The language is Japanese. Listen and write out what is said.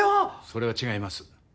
それは違います。